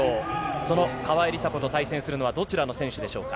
その川井梨紗子と対戦するのは、どちらの選手でしょうか。